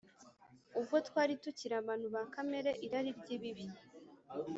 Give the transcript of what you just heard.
Ubwo twari tukiri abantu ba kamere irari ry ibibi